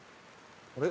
あれ？